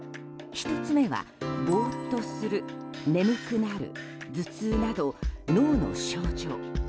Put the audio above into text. １つ目は、ぼーっとする眠くなる、頭痛など脳の症状。